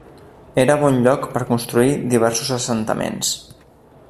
Era bon lloc per construir diversos assentaments.